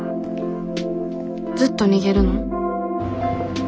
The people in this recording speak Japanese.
ずっと逃げるの？